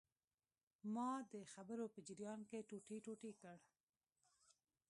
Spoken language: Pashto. ما د خبرو په جریان کې ټوټې ټوټې کړ.